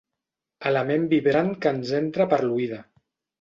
Element vibrant que ens entra per l'oïda.